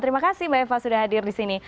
terima kasih mbak eva sudah hadir di sini